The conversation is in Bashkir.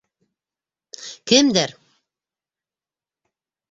— Кемдәр?